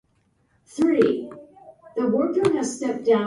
宮城県丸森町